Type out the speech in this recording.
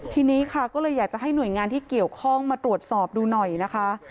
ทีนี้ค่ะก็เลยอยากจะให้หน่วยงานที่เกี่ยวข้องมาตรวจสอบดูหน่อยนะคะ